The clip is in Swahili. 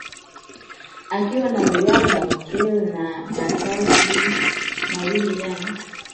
Akiwa na Real Madrid na mataji mawili ya